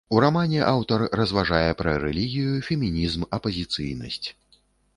У рамане аўтар разважае пра рэлігію, фемінізм, апазыцыйнасць.